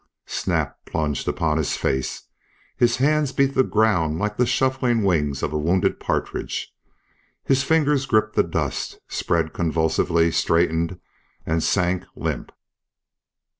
Snap plunged upon his face. His hands beat the ground like the shuffling wings of a wounded partridge. His fingers gripped the dust, spread convulsively, straightened, and sank limp.